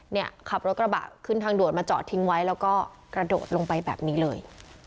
ขับรถกระบะขึ้นทางด่วนมาจอดทิ้งไว้แล้วก็กระโดดลงไปแบบนี้เลย